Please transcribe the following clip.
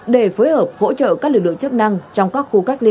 để phối hợp hỗ trợ các lực lượng chức năng trong các khu cách ly